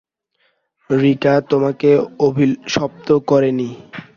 রিকা তোমাকে অভিশপ্ত করেনি।